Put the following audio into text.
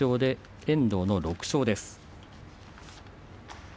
遠藤の６勝です。